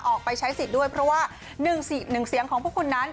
ออกไปใช้สิทธิ์ด้วยเพราะว่าหนึ่งสิทธิ์หนึ่งเสียงของพวกคุณนั้น